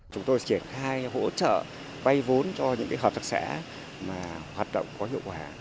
chúng tôi triển khai hỗ trợ vay vốn cho những hợp tác xã hoạt động có hiệu quả